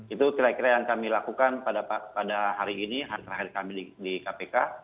itu kira kira yang kami lakukan pada hari ini hari terakhir kami di kpk